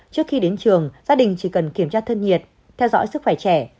trước khi đến trường gia đình chỉ cần kiểm tra thân nhiệt theo dõi sức khỏe trẻ